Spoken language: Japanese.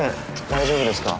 大丈夫ですか？